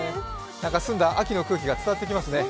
澄んだ秋の空気が伝わってきますね。